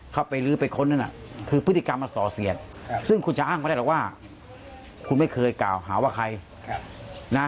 เข้าไปลื้อไปค้นนั่นน่ะคือพฤติกรรมมันส่อเสียดซึ่งคุณจะอ้างไม่ได้หรอกว่าคุณไม่เคยกล่าวหาว่าใครนะ